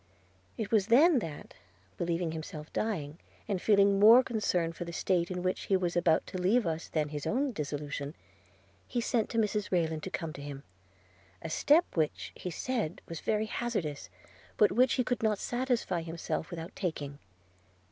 It was then that, believing himself dying, and feeling more concern for the state in which he was about to leave us than for his own dissolution, he sent to Mrs Rayland to come to him – a step which, he said, was very hazardous, but which he could not satisfy himself without taking.